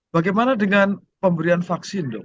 bagaimana dengan pemberian vaksin dok